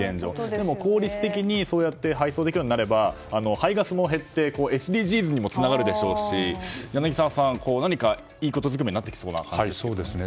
でも効率的に配送できるようになれば排ガスも減って、ＳＤＧｓにもつながるでしょうし柳澤さん、何かいいことづくめになってきそうですね。